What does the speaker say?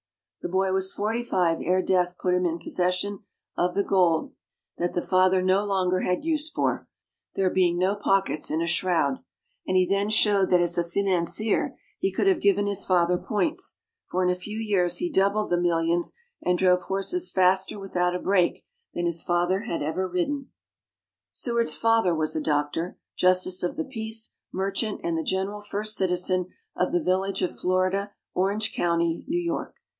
The boy was forty five ere death put him in possession of the gold that the father no longer had use for, there being no pockets in a shroud, and he then showed that as a financier he could have given his father points, for in a few years he doubled the millions and drove horses faster without a break than his father had ever ridden. Seward's father was a doctor, justice of the peace, merchant, and the general first citizen of the village of Florida, Orange County, New York.